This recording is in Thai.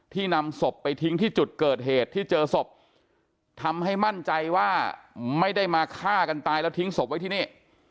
นำศพไปทิ้งที่จุดเกิดเหตุที่เจอศพทำให้มั่นใจว่าไม่ได้มาฆ่ากันตายแล้วทิ้งศพไว้ที่นี่